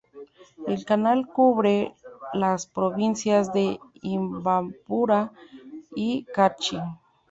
El canal cubre las provincias de Imbabura y Carchi.